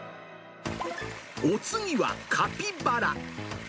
お次はカピバラ。